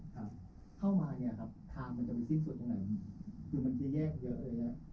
คร่าวมาเนี่ยครับอาจจะมีทิ้งสุดอยู่ไหนมันมันจะแยกเยอะเออ